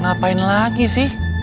ngapain lagi sih